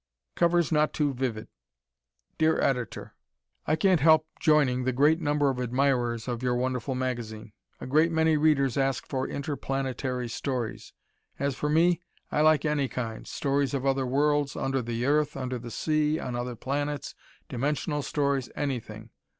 Covers Not Too Vivid Dear Editor: I can't help joining the great number of admirers of your wonderful magazine. A great many readers ask for interplanetary stories. As for me, I like any kind, stories of other worlds, under the earth, under the sea, on other planets, dimensional stories, anything.